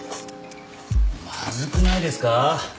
まずくないですか？